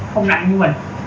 không nặng như mình